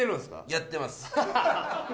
やってます